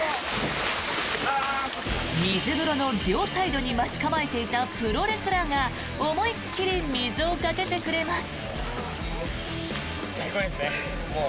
水風呂の両サイドに待ち構えていたプロレスラーが思いっ切り水をかけてくれます。